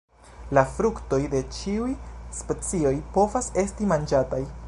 La fruktoj de ĉiuj specioj povas esti manĝataj.